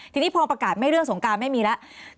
ทีนี้พอประกาศไม่เรื่องสงการไม่มีแล้ว